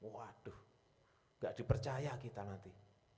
waduh nggak dipercaya kita nanti